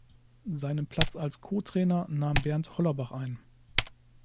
Seinen Platz als Co-Trainer nahm Bernd Hollerbach ein.